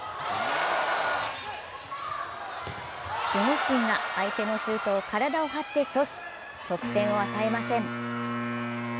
守護神が相手のシュートを体を張って阻止、得点を与えません。